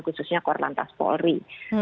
khususnya korlantas polri